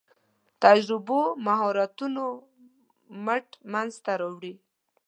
تجربو مهارتونو مټ منځ ته راوړي.